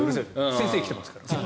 先生が来ていますから。